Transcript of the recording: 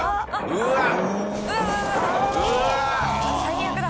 うわっ！